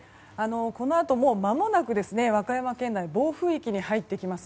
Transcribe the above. このあとまもなく和歌山県内は暴風域に入ってきます。